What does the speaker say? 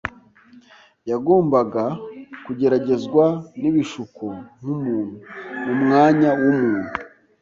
Yagombaga kugeragezwa n’ibishuko nk’umuntu, mu mwanya w’umuntu,